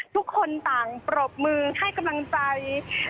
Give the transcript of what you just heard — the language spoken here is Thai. ทุกคนต่างปรบมือให้กำลังใจ